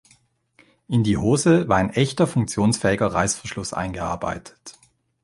In die Hose war ein echter, funktionsfähiger Reißverschluss eingearbeitet.